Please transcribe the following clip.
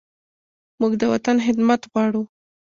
موږ د وطن خدمت غواړو.